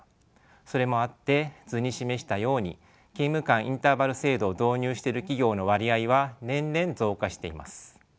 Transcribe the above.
それもあって図に示したように勤務間インターバル制度を導入してる企業の割合は年々増加しています。